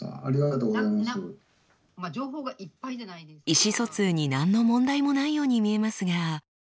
意思疎通に何の問題もないように見えますが。